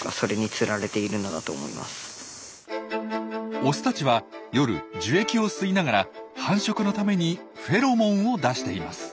オスたちは夜樹液を吸いながら繁殖のためにフェロモンを出しています。